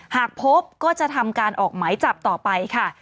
หากพบก็จะทำการออกหมายจับต่อไปค่ะ